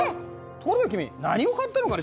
ところで君何を買ったのかね